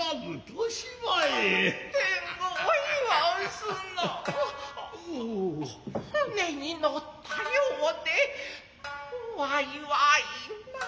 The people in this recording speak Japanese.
舟にのったようで怖いわいなァ。